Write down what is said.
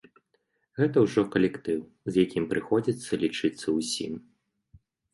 Гэта ўжо калектыў, з якім прыходзіцца лічыцца ўсім.